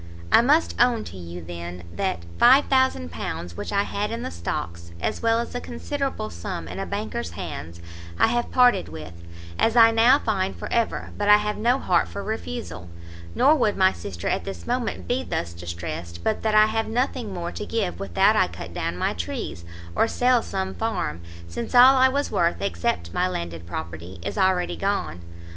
I must own to you, then, that £5000, which I had in the stocks, as well as a considerable sum in a banker's hands, I have parted with, as I now find for ever but I have no heart for refusal, nor would my sister at this moment be thus distressed, but that I have nothing more to give without I cut down my trees, or sell some farm, since all I was worth, except my landed property, is already gone.